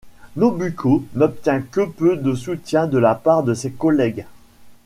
Nobuko n'obtient que peu de soutien de la part de ses collègues.